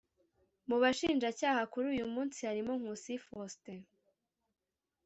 Mu bashinjacyaha kuri uyu munsi harimo Nkusi Faustin